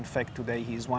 dan sebenarnya hari ini